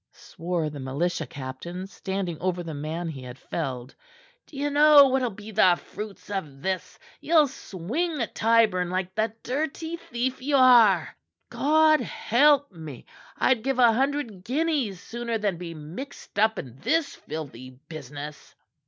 swore the militia captain, standing over the man he had felled. "D'ye know what'll be the fruits of this? Ye'll swing at Tyburn like the dirty thief y' are. God help me! I'd give a hundred guineas sooner than be mixed in this filthy business."